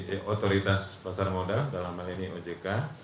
eh otoritas pasar modal dalam hal ini ojk